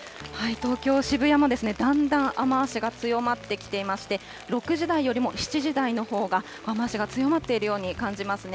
東京・渋谷もだんだん雨足が強まってきていまして、６時台よりも７時台のほうが、雨足が強まっているように感じますね。